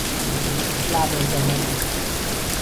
لوازمات